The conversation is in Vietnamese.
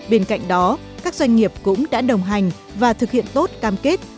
bên cạnh đó các doanh nghiệp cũng đã đồng hành và thực hiện tốt cam kết